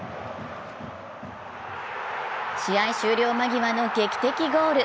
試合終了間際の劇的ゴール。